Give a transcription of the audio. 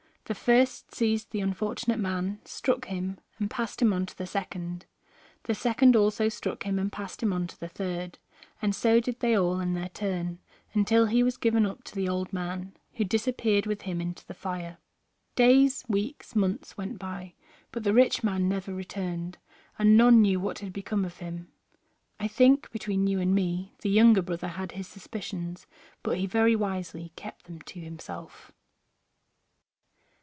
The first seized the unfortunate man, struck him, and passed him on to the second; the second also struck him and passed him on to the third; and so did they all in their turn, until he was given up to the old man, who disappeared with him into the fire. Days, weeks, months went by, but the rich man never returned, and none knew what had become of him. I think, between you and me, the younger brother had his suspicions but he very wisely kept them to himself.